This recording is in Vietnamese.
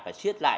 phải xiết lại